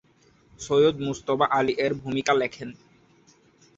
সৈয়দ মুজতবা আলী এর ভূমিকা লেখেন।